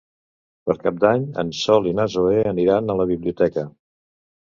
Per Cap d'Any en Sol i na Zoè aniran a la biblioteca.